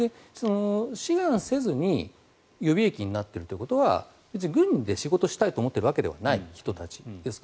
志願せずに予備役になっているということは別に軍で仕事をしたいと思っているわけではない人たちです。